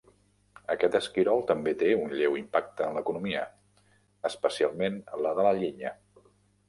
Aquest esquirol també té un lleu impacte en l'economia, especialment la de la llenya.